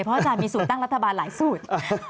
เพราะอาจารย์มีสูตรตั้งรัฐบาลหลายสูตร